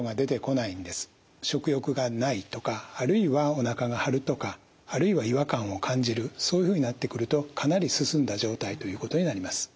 食欲がないとかあるいはおなかが張るとかあるいは違和感を感じるそういうふうになってくるとかなり進んだ状態ということになります。